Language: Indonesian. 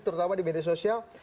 terutama di media sosial